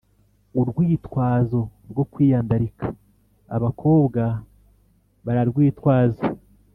urwitwazo rwo kwiyandarika abakobwa bararwitwaza